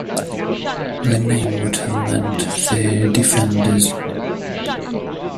The name would have meant the "defenders".